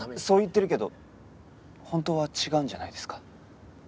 そう言ってるけど本当は違うんじゃないですか？